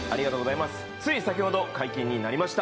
つい先ほど解禁になりました